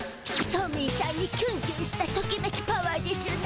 トミーしゃんにキュンキュンしたときめきパワーでしゅな。